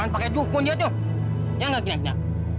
pakai cukun dia tuh ya nggak kena kena